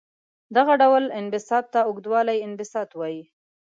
دغه ډول انبساط ته اوږدوالي انبساط وايي.